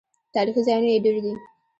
تاریخي ځایونه یې ډیر دي.